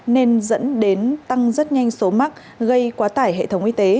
nên dẫn đến tăng rất nhanh số mắc gây quá tải hệ thống y tế